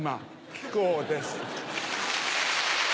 木久扇です。